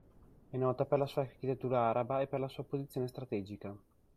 È nota per la sua architettura araba e per la sua posizione strategica.